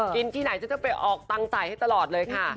กินที่ไหนจะไปออกตังใจให้ตลอดเลยค่ะ